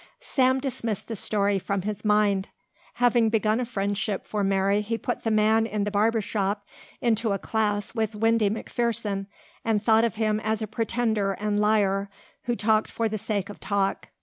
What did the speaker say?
Sam dismissed the story from his mind. Having begun a friendship for Mary he put the man in the barber shop into a class with Windy McPherson and thought of him as a pretender and liar who talked for the sake of talk.